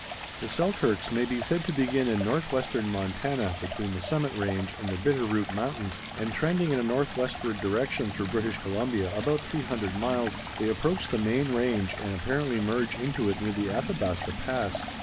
The Selkirks may be said to begin in northwestern Montana between the Summit Range and the Bitter Root Mountains, and, trending in a northwestward direction through British Columbia about three hundred miles, they approach the main range and apparently merge into it near the Athabasca Pass.